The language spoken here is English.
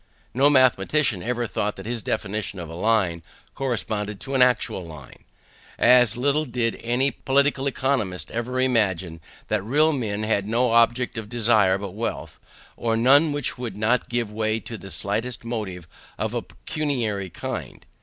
No mathematician ever thought that his definition of a line corresponded to an actual line. As little did any political economist ever imagine that real men had no object of desire but wealth, or none which would not give way to the slightest motive of a pecuniary kind.